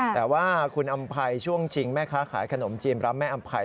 แต่ว่าคุณอำไพยช่วงจริงแม่ค้าขายขนมจิมรับแม่อำไพย